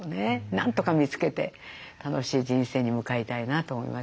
なんとか見つけて楽しい人生に向かいたいなと思いますよね。